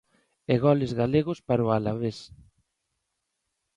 E goles galegos para o Alavés.